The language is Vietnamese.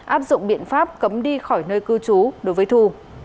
áp dụng biện pháp cấm đi khỏi nơi cư trú đối với thu